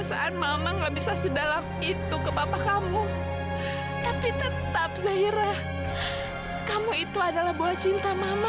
sampai jumpa di video selanjutnya